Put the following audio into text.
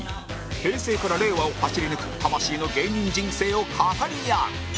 平成から令和を走り抜く魂の芸人人生を語り合う